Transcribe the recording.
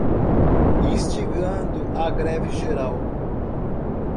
Instigando a greve geral